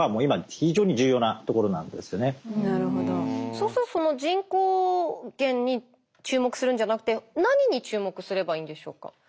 そうするとその人口減に注目するんじゃなくて何に注目すればいいんでしょうか？